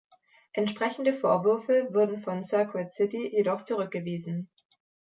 Entsprechende Vorwürfe wurden von "Circuit City" jedoch zurückgewiesen.